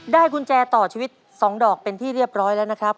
กุญแจต่อชีวิต๒ดอกเป็นที่เรียบร้อยแล้วนะครับ